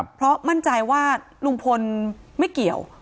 เพราะมั่นใจว่าลุงพลไม่เกี่ยว